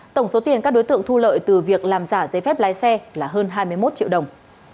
tổng số tiền các đối tượng thu lợi từ việc làm giả giấy phép lái xe là hơn hai mươi một triệu đồng